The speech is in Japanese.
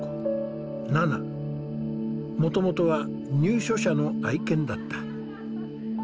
もともとは入所者の愛犬だった。